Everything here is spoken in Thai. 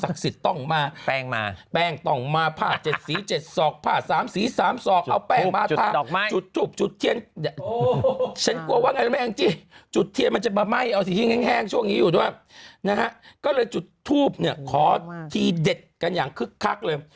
ก็เลยจุดทูปขอทีเด็ดกันอย่างคึกคักเลย